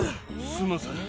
すいません。